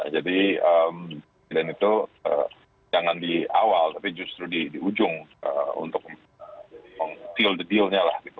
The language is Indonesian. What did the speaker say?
jadi dan itu jangan di awal tapi justru di ujung untuk meng deal dealnya lah gitu